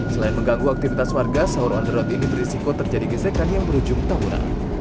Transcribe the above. selain mengganggu aktivitas warga sahur on the road ini berisiko terjadi gesekan yang berujung tawuran